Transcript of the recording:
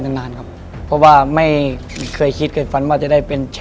ผมไม่ค่อยกลัวเลยครับเพราะว่าไม่รู้ไม่รู้ว่าจะได้เป็นแชมป์วันแชมป์ระดับโลกอย่างนี้ครับ